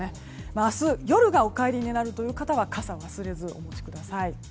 明日、夜がお帰りになるという方は傘忘れずにお持ちください。